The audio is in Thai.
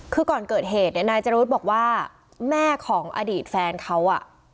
คือก่อนเกิดเหตุเนี่ยนายจรุธบอกว่าแม่ของอดีตแฟนเขาอ่ะ